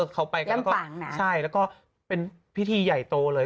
อย่างปังนะใช่แล้วก็เป็นพิธีใหญ่โตเลย